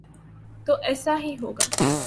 تو ایسے ہی ہوگا۔